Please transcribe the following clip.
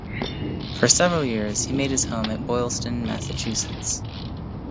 For several years, he made his home at Boylston, Massachusetts.